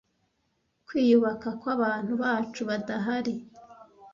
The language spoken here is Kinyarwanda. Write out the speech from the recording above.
kwiyubaka kwabantu bacu badahari